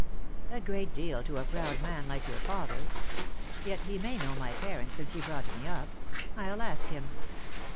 "A great deal to a proud man like your father. Yet he may know my parents since he brought me up. I'll ask him."